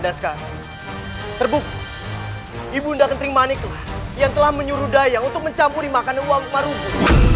dan sekarang terbukti ibu nda keteringmaniklah yang telah menyuruh dayang untuk mencampuri makanan uamuk marufi